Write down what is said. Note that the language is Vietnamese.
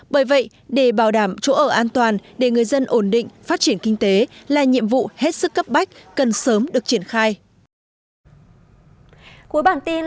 bởi vậy để bảo đảm chỗ ở an toàn để người dân ổn định phát triển kinh tế là nhiệm vụ hết sức cấp bách cần sớm được triển khai